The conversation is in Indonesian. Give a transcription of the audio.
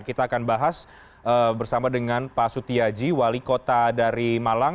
kita akan bahas bersama dengan pak sutiaji wali kota dari malang